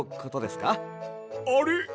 あれ？